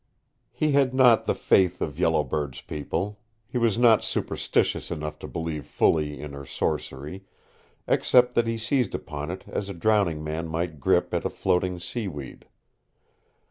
He had not the faith of Yellow Bird's people; he was not superstitious enough to believe fully in her sorcery, except that he seized upon it as a drowning man might grip at a floating sea weed.